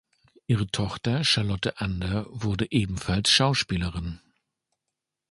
Ihre Tochter Charlotte Ander wurde ebenfalls Schauspielerin.